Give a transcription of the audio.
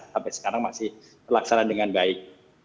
sampai sekarang masih terlaksana dengan baik